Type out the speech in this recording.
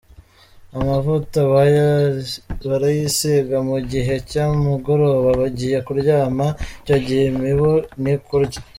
Amavuta barayisiga mu gihe cy’umugoroba bagiye kuryama icyo gihe imibu ntikurya.